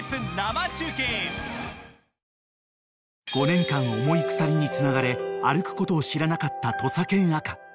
［５年間重い鎖につながれ歩くことを知らなかった土佐犬赤。